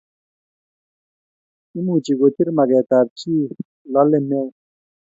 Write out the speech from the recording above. imuchi kochir makatekab chii lole neoo